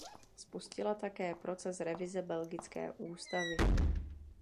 Spustila také proces revize belgické ústavy.